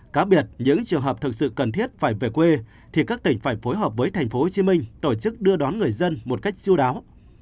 cá biệt những trường hợp thực sự cần thiết phải về quê thì các tỉnh phải phối hợp với tp hcm tổ chức đưa đón người dân một cách chú đáo